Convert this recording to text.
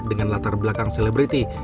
dengan latar belakang selebriti